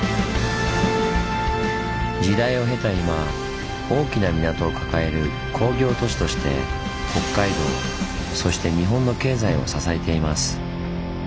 時代を経た今大きな港を抱える工業都市として北海道そして日本の経済を支えています。